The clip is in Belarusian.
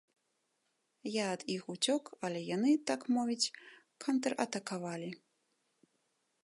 Я ад іх уцёк, але яны, так мовіць, контратакавалі.